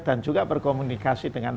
dan juga berkomunikasi dengan